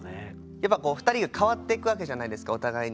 やっぱこう２人が変わっていくわけじゃないですかお互いに。